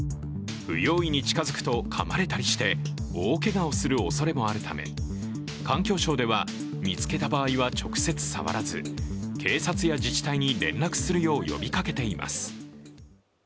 不用意に近づくとかまれたりして大けがをするおそれもあるため環境省では、見つけた場合は直接触らず、警察や自治体に連絡するよう呼びかけています。